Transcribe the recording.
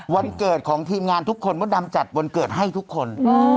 วันเกิดของทีมงานทุกคนมดดำจัดวันเกิดให้ทุกคน